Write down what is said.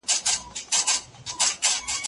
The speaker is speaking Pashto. د ټولنیز وضعیت درک په سیاست جوړولو کې مرسته کوي.